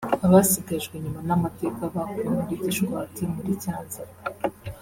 Abasigajwe inyuma n’amateka bakuwe muri Gishwati muri Cyanzarwe